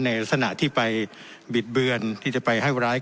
ในลักษณะที่ไปบิดเบือนที่จะไปให้ร้าย